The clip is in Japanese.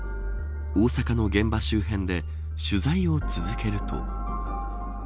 大阪の現場周辺で取材を続けると。